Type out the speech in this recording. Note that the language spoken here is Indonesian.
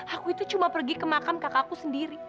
aku itu cuma pergi ke makam kakakku sendiri